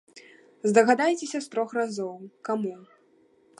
Здагадайцеся з трох разоў, каму?